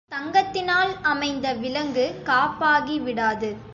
தங்கத்தினால் அமைந்த விலங்கு காப்பாகிவிடாது.